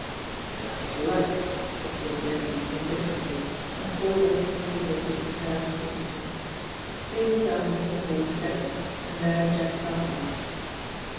"Just as you like," said Jim Beardmore indifferently, and folded up the papers he had prepared for signature. They walked out into the hall together, and there Jack found them.